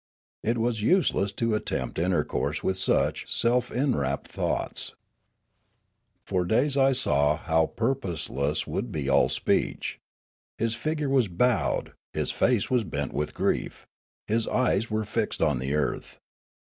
It was useless to attempt intercourse with such self in wrapt thoughts. For days I saw how purposeless would be all speech ; his figure was bowed, his face was bent with grief, his eyes were fixed on the earth.